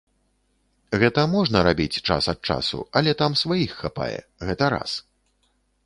Гэта можна рабіць час ад часу, але там сваіх хапае, гэта раз.